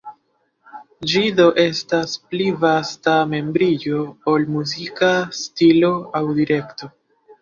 Ĝi do estas pli vasta membriĝo ol muzika stilo aŭ direkto.